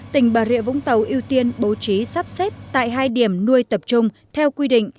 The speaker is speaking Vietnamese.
tỉnh bà rịa vũng tàu ưu tiên bố trí sắp xếp tại hai điểm nuôi tập trung theo quy định